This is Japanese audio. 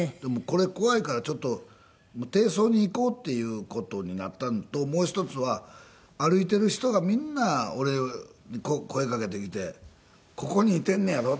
これ怖いからちょっと低層に行こうっていう事になったのともう一つは歩いてる人がみんな俺に声かけてきて「ここにいてんねやろ？」